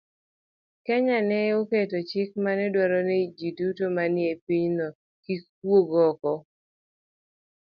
Kenya ne oketo chik mane dwaro ni ji duto manie pinyno kik wuog oko,